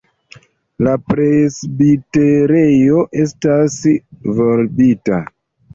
La presbiterejo estas volbita.